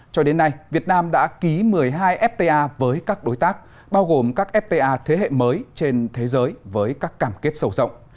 cho đến nay việt nam đã ký một mươi hai fta với các đối tác bao gồm các fta thế hệ mới trên thế giới với các cảm kết sâu rộng